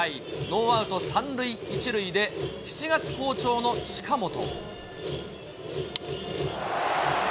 ノーアウト３塁１塁で、７月好調の近本。